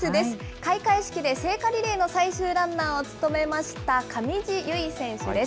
開会式で聖火リレーの最終ランナーを務めました上地結衣選手です。